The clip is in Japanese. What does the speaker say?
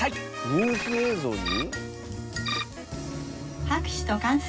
ニュース映像に？